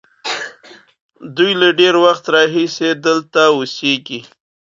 دوی له ډېر وخت راهیسې دلته اوسېږي.